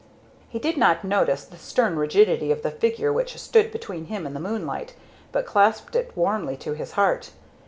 He did not notice the stern rigidity of the figure which stood between him and the moonlight, but clasped it warmly to his heart.